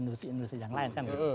industri industri yang lain kan gitu